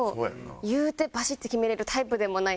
言うてバシッて決められるタイプでもないんで。